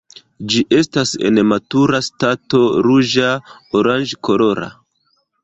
Ĝi estas en matura stato ruĝa-oranĝkolora.